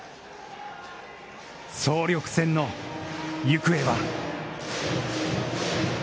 総力戦の行方は。